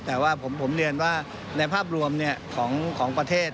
แต่ว่าผมเรียนว่าในภาพรวมของประเทศ